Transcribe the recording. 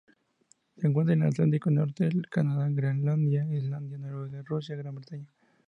Se encuentra en el Atlántico norte: el Canadá, Groenlandia, Islandia, Noruega, Rusia, Gran Bretaña.